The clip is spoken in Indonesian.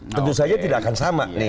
tentu saja tidak akan sama